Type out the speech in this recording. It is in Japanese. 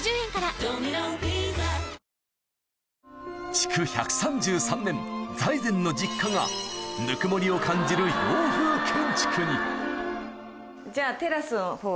築１３３年財前の実家がぬくもりを感じる洋風建築にはい。